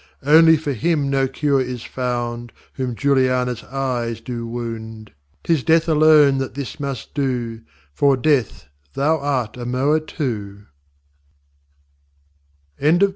Only for him no Cure is found, Whom Julianas Eyes do wound. 'Tis death alone that this must do: For Death thou art a Mower too.